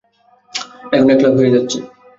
এখন এক লাখ হয়ে যাচ্ছে।